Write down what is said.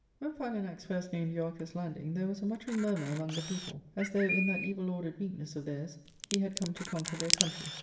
When Philanax first named Euarchus^ landing, there was a muttering murmur among the people, as though in that evil ordered weakness of theirs he had come to conquer their country.